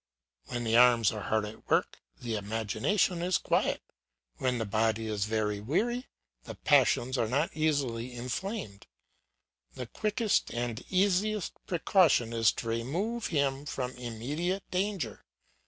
When the arms are hard at work, the imagination is quiet; when the body is very weary, the passions are not easily inflamed. The quickest and easiest precaution is to remove him from immediate danger.